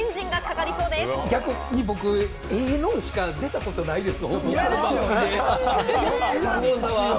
逆に僕、ええのしか出たことないです。